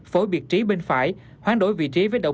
phối biệt trí bên phải